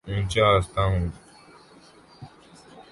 اونچا ہنستا ہوں